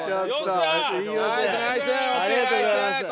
ありがとうございます。